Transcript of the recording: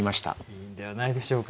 いいんではないでしょうか。